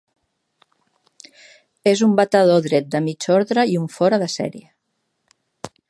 És un batedor dret de mig ordre i un fora de sèrie.